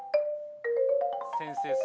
先生